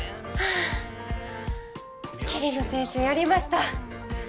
あ桐野選手やりました。